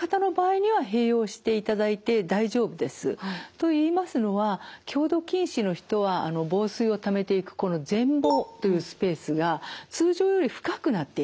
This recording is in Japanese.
といいますのは強度近視の人は房水をためていくこの前房というスペースが通常より深くなっています。